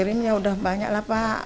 kemudiannya sudah banyaklah pak